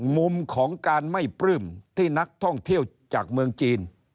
มุมของการไม่ปลื้มที่นักท่องเที่ยวจากเมืองจีน